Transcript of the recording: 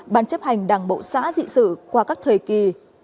bán chấp hành đảng bộ xã dị sử qua các thời kỳ